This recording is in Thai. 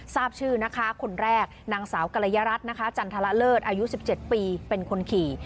ทราบชื่อนะคะคนแรกนางสาวกรยรัฐนะคะจันทรเลิศอายุ๑๗ปีเป็นคนขี่